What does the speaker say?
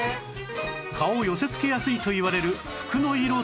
蚊を寄せつけやすいといわれる服の色とは？